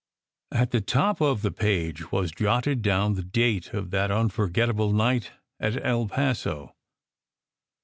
At the top of the page was jotted down the date of that unforgettable night at El Paso.